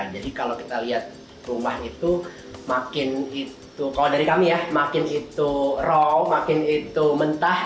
jadi kalau kita lihat rumah itu makin itu kalau dari kami ya makin itu raw makin itu mentah